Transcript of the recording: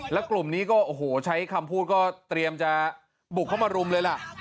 แล้วกลุ่มนี้ก็โอ้โหใช้คำพูดก็เตรียมจะบุกเข้ามารุมเลยล่ะ